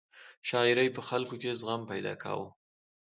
شاعرۍ په خلکو کې زغم پیدا کاوه.